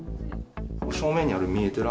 正面にある見えてる